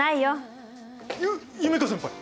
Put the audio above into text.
ゆ夢叶先輩！